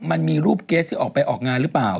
มันมีรูปเกสที่ออกไปออกงานหรือเปล่า